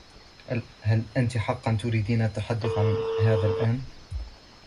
هل أنتِ حقاً تريدين التحدث عن هذا الأن؟